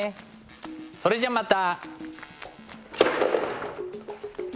それじゃまた。